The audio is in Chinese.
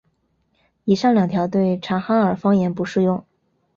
以上两条对察哈尔方言不适用。